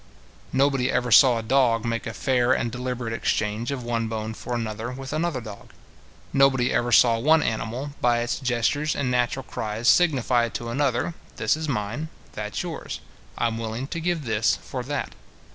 Nobody ever saw a dog make a fair and deliberate exchange of one bone for another with another dog. Nobody ever saw one animal, by its gestures and natural cries signify to another, this is mine, that yours; I am willing to give this for that.